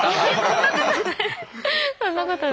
そんなことない。